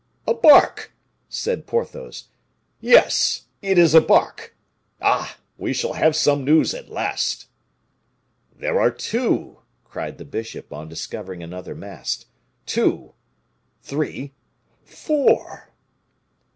"A bark!" said Porthos; "yes, it is a bark! Ah! we shall have some news at last." "There are two!" cried the bishop, on discovering another mast; "two! three! four!"